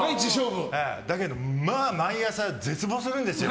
だけど、毎朝絶望するんですよ。